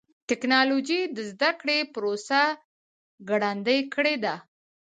ټکنالوجي د زدهکړې پروسه ګړندۍ کړې ده.